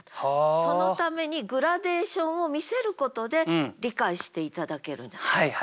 そのためにグラデーションを見せることで理解して頂けるんじゃないか。